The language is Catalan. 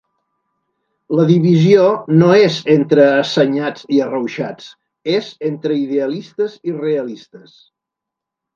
La divisió no és entre assenyats i arrauxats, és entre idealistes i realistes.